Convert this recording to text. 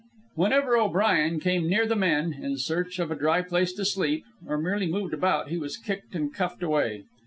Whenever O'Brien came near the men in search of a dry place to sleep, or merely moved about, he was kicked and cuffed away.